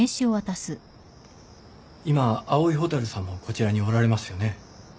今蒼井蛍さんもこちらにおられますよね？